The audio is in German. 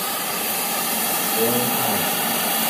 Earl Haig.